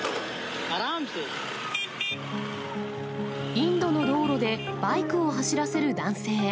インドの道路でバイクを走らせる男性。